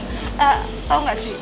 eh tau nggak cuy